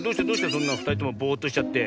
そんなふたりともボーッとしちゃって。